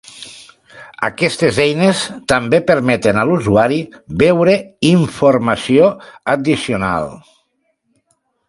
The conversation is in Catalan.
Aquestes eines també permeten a l'usuari veure informació addicional.